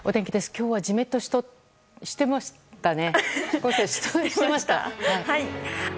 今日はジメッとしていましたね。